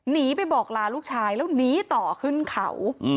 หนีไปบอกลาลูกชายแล้วหนีต่อขึ้นเขา